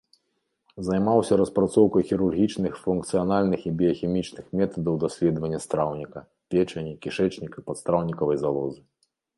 Займаўся распрацоўкай хірургічных, функцыянальных і біяхімічных метадаў даследавання страўніка, печані, кішэчніка, падстраўнікавай залозы.